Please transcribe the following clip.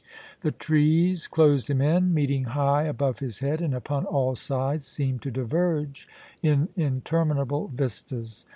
The trees closed him in, meeting high above his head, and upon all sides seemed to diverge in interminable vistas.